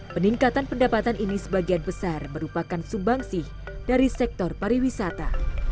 peningkatan pendapatan ini sebagian besar merupakan sumbangsih dari sektor pariwisata